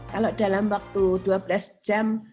kalau dalam waktu dua belas jam